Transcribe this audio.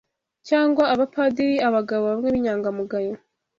cyangwa Abapadiri abagabo bamwe b’inyangamugayo